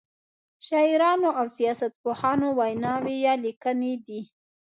شاعرانو او سیاست پوهانو ویناوی یا لیکنې دي.